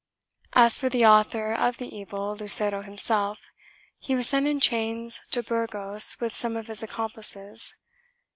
1 As for the author of the evil, Lucero himself, he was sent in chains to Burgos with some of his accomplices.